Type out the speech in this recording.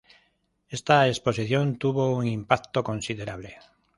Esta Exposición tuvo un impacto considerable.